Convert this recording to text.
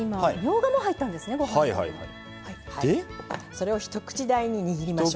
それを一口大ににぎりましょう。